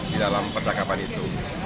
di dalam percakapan itu